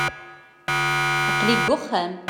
Aqel-in deg uxxam-iw.